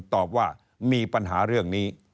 ตอบว่ามีปัญหาเรื่องนี้